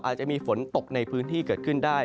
อาจจะมีฝนตกในพื้นที่เกิดขึ้นได้